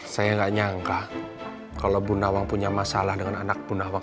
saya nggak nyangka kalau bunda wang punya masalah dengan anak bunda wang